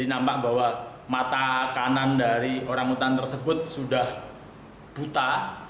nampak bahwa mata kanan dari orangutan tersebut sudah buta